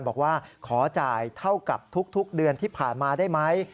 บอกว่าขอจ่ายเท่ากับทุกเดือนที่ผ่านมาได้ไหม